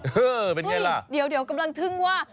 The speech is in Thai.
เฮ้อเป็นอย่างไรล่ะเฮ่ยเดี๋ยวกำลังทึ่งว่า